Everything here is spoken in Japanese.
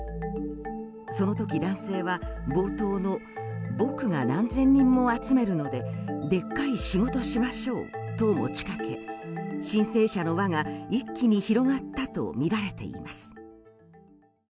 その時、男性は冒頭の僕が何千人も集めるのででっかい仕事しましょうと持ち掛け申請者の輪が一気に広がったとみられています。